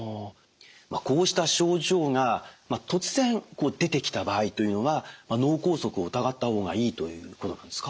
こうした症状が突然出てきた場合というのは脳梗塞を疑った方がいいということなんですか？